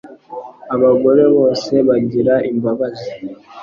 Abagore bose bagira imbabazi